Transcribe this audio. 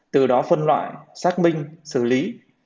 từ đó phân loại xác minh xử lý